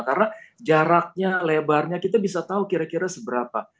karena jaraknya lebarnya kita bisa tahu kira kira seberapa